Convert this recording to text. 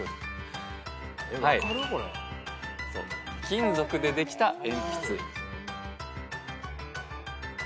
金属でできた鉛筆。